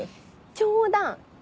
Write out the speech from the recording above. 冗談！